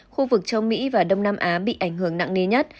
khu vực châu mỹ và đông nam á bị ảnh hưởng nặng nề nhất